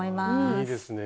いいですね